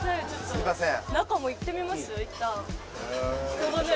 すいません。